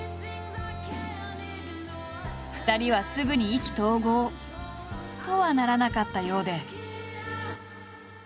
２人はすぐに意気投合！とはならなかったようで。